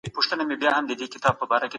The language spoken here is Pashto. اته کتابونه کېږي.